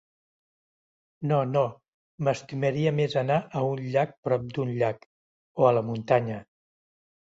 No, no, m'estimaria més anar a un llac prop d'un llac, o a la muntanya.